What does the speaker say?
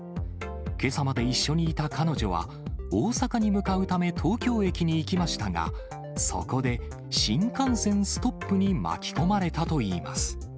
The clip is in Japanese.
けさまで一緒にいた彼女は、大阪に向かうため、東京駅に行きましたが、そこで新幹線ストップに巻き込まれたといいます。